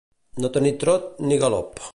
No tenir trot ni galop.